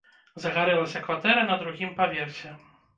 Загарэлася кватэра на другім паверсе.